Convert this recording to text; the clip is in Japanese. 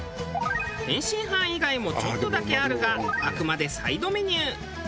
天津飯以外もちょっとだけあるがあくまでサイドメニュー。